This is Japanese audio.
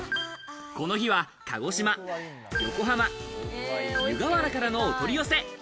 この日は鹿児島、横浜、湯河原からのお取り寄せ。